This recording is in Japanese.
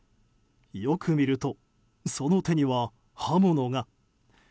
よく見ると、その手には刃物が。